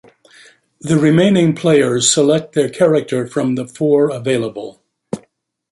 The remaining players select their character from the four available.